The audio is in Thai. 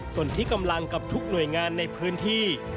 ส่วนที่กำลังกับทุกหน่วยงานในพื้นที่